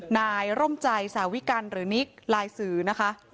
นายร่มใจสาวิกัลหรือนิกลายสื่อนะคะ